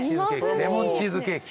レモンチーズケーキ。